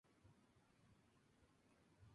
Ha publicado dos libros de poesía.